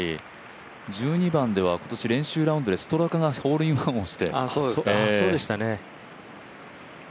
１２番では今年練習ラウンドでストラカがホールインワンをして。